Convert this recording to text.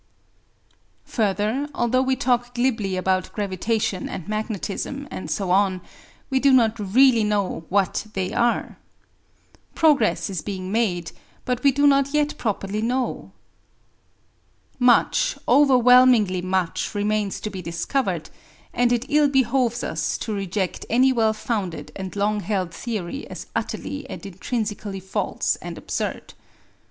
Further, although we talk glibly about gravitation and magnetism, and so on, we do not really know what they are. Progress is being made, but we do not yet properly know. Much, overwhelmingly much, remains to be discovered, and it ill behoves us to reject any well founded and long held theory as utterly and intrinsically false and absurd.